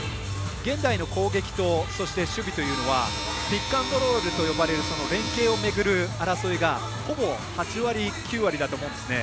現代の攻撃とそして守備というのはピックアンドロールといわれる連係をめぐる争いがほぼ８割、９割だと思うんですね。